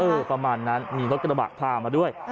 ประมาณนั้นมีรถกระบะพามาด้วย